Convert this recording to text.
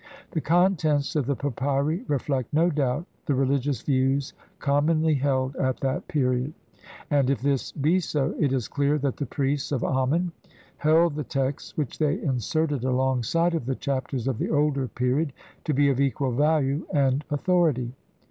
The contents of the papyri reflect, no doubt, the religious views commonly held at that period, and, if this be so, it is clear that the priests of Amen held the texts, which they inserted alongside of the Chapters of the older period, to be of equal value and authority.